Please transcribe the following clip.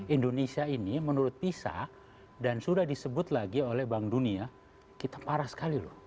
indonesia ini menurut pisa dan sudah disebut lagi oleh bank dunia kita parah sekali loh